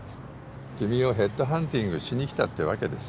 君をヘッドハンティングしに来たってわけです